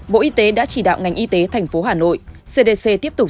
bộ y tế đã chỉ đạo ngành y tế thành phố hà nội cdc tiếp tục